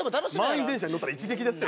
満員電車に乗ったら一撃ですよ。